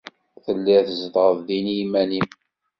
Tellid tzedɣed din i yiman-nnem.